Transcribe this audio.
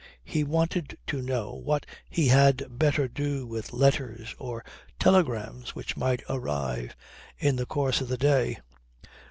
He wanted to know what he had better do with letters or telegrams which might arrive in the course of the day.